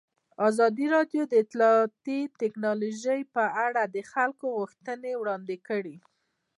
ازادي راډیو د اطلاعاتی تکنالوژي لپاره د خلکو غوښتنې وړاندې کړي.